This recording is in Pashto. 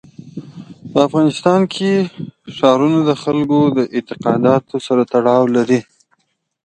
په افغانستان کې ښارونه د خلکو د اعتقاداتو سره تړاو لري.